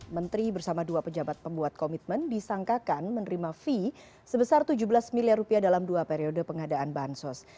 menteri bersama dua pejabat pembuat komitmen disangkakan menerima fee sebesar tujuh belas miliar rupiah dalam dua periode pengadaan bansos